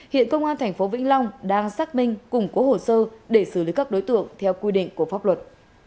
hiện công an thành phố vĩnh long đang xác minh cùng có hồ sơ để xử lý các đối tượng theo quy định của pháp luật